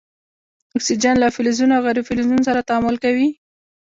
اکسیجن له فلزونو او غیر فلزونو سره تعامل کوي.